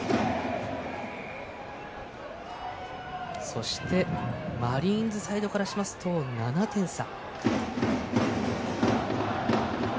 そしてマリーンズサイドからしますと７点差。